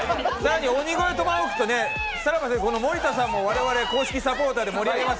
鬼越トマホークと森田さんも公式サポーターで盛り上げます。